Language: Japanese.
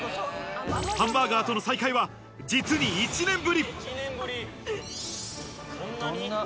ハンバーガーとの再会は実に１年ぶり。